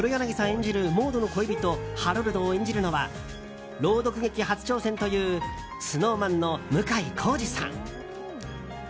演じるモードの恋人・ハロルドを演じるのは朗読劇初挑戦というＳｎｏｗＭａｎの向井康二さん。